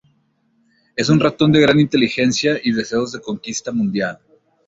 Es un ratón de gran inteligencia y deseos de conquista mundial.